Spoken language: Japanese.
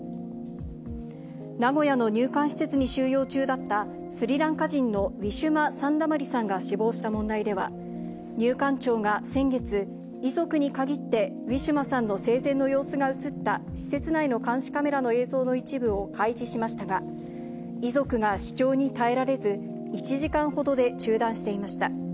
名古屋の入管施設に収容中だった、スリランカ人のウィシュマ・サンダマリさんが死亡した問題では、入管庁が先月、遺族にかぎってウィシュマさんの生前の様子が写った施設内の監視カメラの映像の一部を開示しましたが、遺族が視聴に耐えられず、１時間ほどで中断していました。